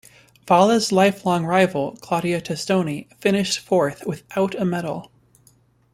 Valla's lifelong rival, Claudia Testoni, finished fourth, without a medal.